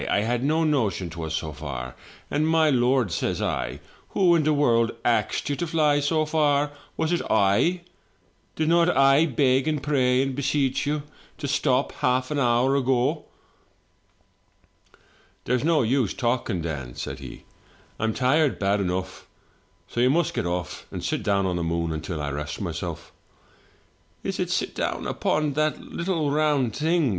I had no notion 'twas so far!' " 'And my lord, sir,' says I, 'who in the world axed you to fiy so far — was it I? Did not I beg and pray and beseech you to stop half an hour ago?' *" There's no use talking, Dan,' said he; 'I'm tired bad enough, so you must get off, and sit down on the moon until I rest myself.' " 'Is it sit down upon that little round thing?'